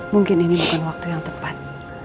mungkin ini bukan waktu yang tepat